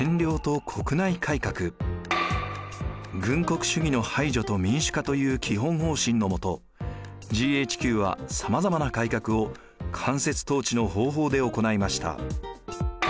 軍国主義の排除と民主化という基本方針のもとＧＨＱはさまざまな改革を間接統治の方法で行いました。